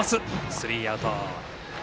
スリーアウト。